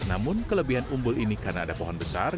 namun kelebihan unggul ini karena ada pohon mantan